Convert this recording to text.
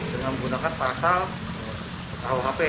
dengan menggunakan pasal ruhp dua ratus sembilan puluh enam